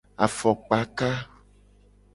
Afokpaka.